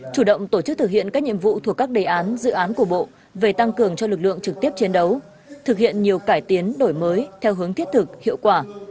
chủ động tổ chức thực hiện các nhiệm vụ thuộc các đề án dự án của bộ về tăng cường cho lực lượng trực tiếp chiến đấu thực hiện nhiều cải tiến đổi mới theo hướng thiết thực hiệu quả